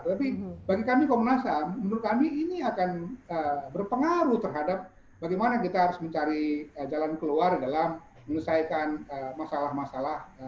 tapi bagi kami komnas ham menurut kami ini akan berpengaruh terhadap bagaimana kita harus mencari jalan keluar dalam menyelesaikan masalah masalah